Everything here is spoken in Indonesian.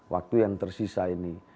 waktu yang tersisa ini